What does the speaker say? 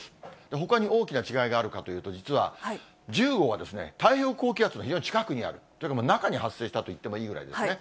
ほかに大きな違いがあるかというと、実は１０号は太平洋高気圧の非常に近くにある、というか、中に発生したといってもいいぐらいですね。